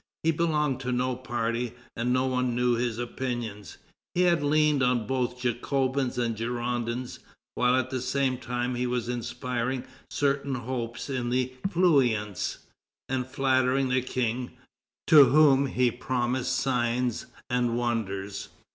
He belonged to no party, and no one knew his opinions. He had leaned on both Jacobins and Girondins, while at the same time he was inspiring certain hopes in the Feuillants, and flattering the King, to whom he promised signs and wonders.